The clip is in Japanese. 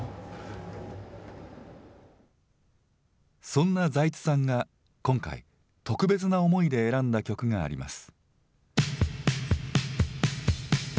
そんな財津さんが今回、特別な思いで選んだ曲があります。